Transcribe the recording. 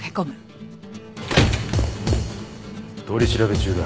取り調べ中だ。